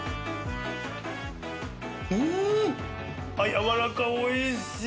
やわらかおいしい！